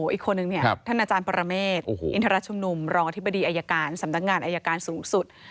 อีกคนนึงท่านอาจารย์ปรเมฆอินทรชุมนุมรองอธิบดีอายการสำนักงานอายการสูงสุด